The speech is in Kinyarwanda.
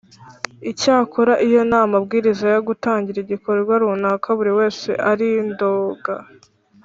Icyakora iyo nta mabwiriza yo gutangira igikorwa runaka buri wese ari doga